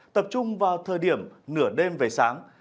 tập trung vào thời điểm nửa đêm về sáng